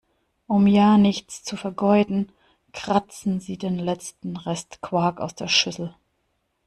Um ja nichts zu vergeuden, kratzen sie den letzten Rest Quark aus der Schüssel.